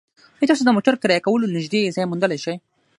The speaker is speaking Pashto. ایا تاسو د موټر کرایه کولو نږدې ځای موندلی شئ؟